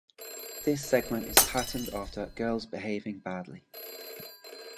This segment is patterned after "Girls Behaving Badly".